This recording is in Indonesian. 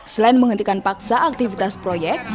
selain menghentikan paksa aktivitas proyek